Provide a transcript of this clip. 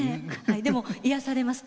でも癒やされます